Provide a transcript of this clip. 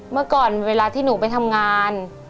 เมื่อก่อนเวลาที่หนูไปทำงาน